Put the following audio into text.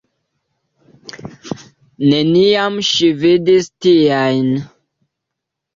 Neniam ŝi vidis tiajn!